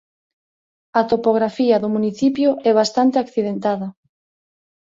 A topografía do municipio é bastante accidentada.